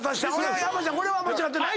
山ちゃんこれは間違ってない。